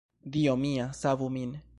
Dio mia, savu min!